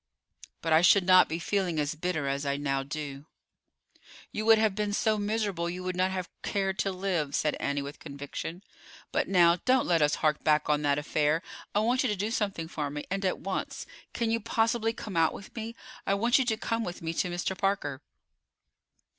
"But I should not be feeling as bitter as I now do." "You would have been so miserable you would not have cared to live," said Annie, with conviction. "But, now, don't let us hark back on that affair. I want you to do something for me, and at once. Can you possibly come out with me? I want you to come with me to Mr. Parker."